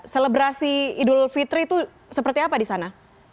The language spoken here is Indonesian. selebrasi idul fitri itu seperti apa di sana